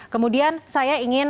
kemudian saya ingin